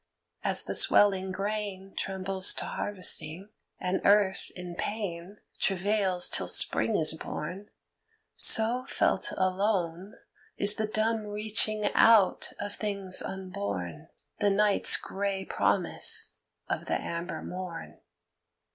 As the swelling grain Trembles to harvesting, and earth in pain Travails till Spring is born, so felt alone Is the dumb reaching out of things unborn, The night's gray promise of the amber morn.